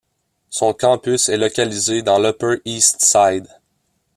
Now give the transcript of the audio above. Son campus est localisé dans l'Upper East Side.